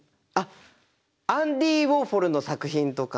アンディ・ウォーホルの作品とか。